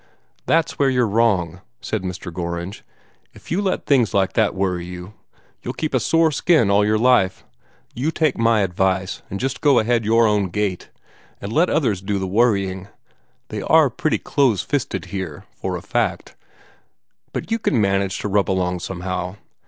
"That's where you're wrong," said Mr. Gorringe. "If you let things like that worry you, you'll keep a sore skin all your life. You take my advice and just go ahead your own gait, and let other folks do the worrying. They ARE pretty close fisted here, for a fact, but you can manage to rub along somehow.